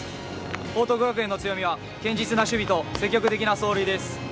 報徳学園高校の強みは堅実な守備と積極的な走塁です。